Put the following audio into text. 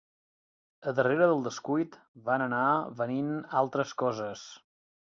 A darrera del descuit van anar venint altres coses